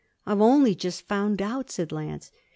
'I've only just found out,' said Lance.